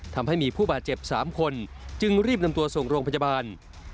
ทำให้มีผู้บาดเจ็บ๓คนจึงรีบนำตัวส่งโรงพยาบาล